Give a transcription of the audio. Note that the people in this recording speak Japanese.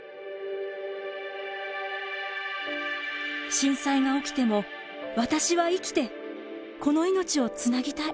「震災が起きても私は生きてこの命を繋ぎたい」。